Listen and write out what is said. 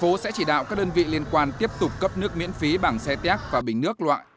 của nhân dân thành phố sẽ chỉ đạo các đơn vị liên quan tiếp tục cấp nước miễn phí bằng xe tét và bình nước loại